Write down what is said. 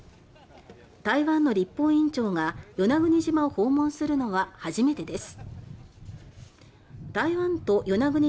台湾の立法院長が与那国島を訪問するのは初めてです。